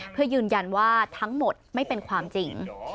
เพื่อยืนยันว่าทั้งหมดไม่เป็นความจริง